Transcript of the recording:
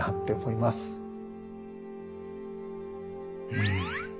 うん。